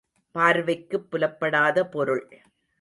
பார்வைக்குப் புலப்படாத பொருள்.